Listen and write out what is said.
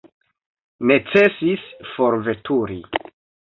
Necesis forveturi.